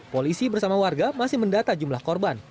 polisi bersama warga masih mendata jumlah korban